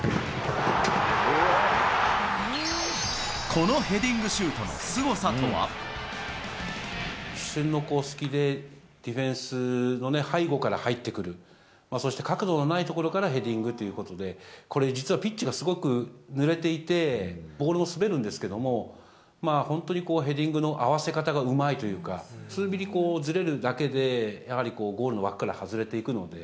このヘディングシュートのすごさ一瞬の隙で、ディフェンスのね、背後から入ってくる、そして角度のない所からヘディングっていうことで、これ、実はピッチがすごくぬれていて、ボールも滑るんですけども、本当にヘディングの合わせ方がうまいというか、数ミリずれるだけで、やはりゴールの枠から外れていくので。